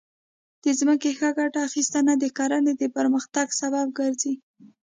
د ځمکې ښه ګټه اخیستنه د کرنې د پرمختګ سبب ګرځي.